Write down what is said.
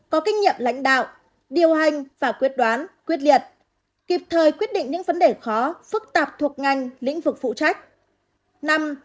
có kinh nghiệm lãnh đạo điều hành và quyết đoán quyết liệt kịp thời quyết định những vấn đề khó phức tạp thuộc ngành lĩnh vực phụ trách